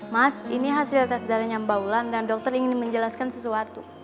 mas ini hasil tes darahnya mbaulan dan dokter ingin menjelaskan sesuatu